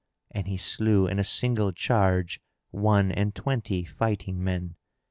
and he slew in a single charge one and twenty fighting men.